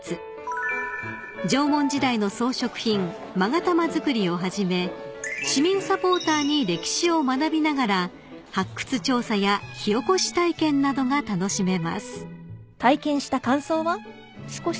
［縄文時代の装飾品勾玉づくりをはじめ市民サポーターに歴史を学びながら発掘調査や火起こし体験などが楽しめます］